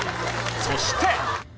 そして。